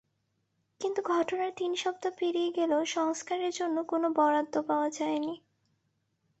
কিন্তু ঘটনার তিন সপ্তাহ পেরিয়ে গেলেও সংস্কারের জন্য কোনো বরাদ্দ পাওয়া যায়নি।